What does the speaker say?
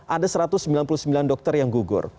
ada satu ratus sembilan puluh sembilan dokter yang gugur